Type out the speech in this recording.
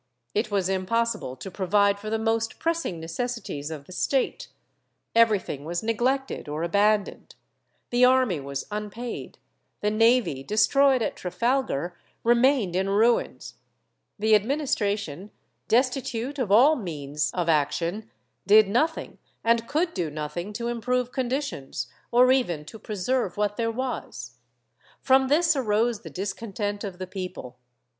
It was impossible to provide for the most pressing necessities of the State; everything was neglected or abandoned; the army was unpaid; the navy, destroyed at Trafalgar, remained in ruins; the administration, destitute of all means of action, did nothing and could do nothing to improve conditions, or even to preserve what there was. From this arose the discontent of the people."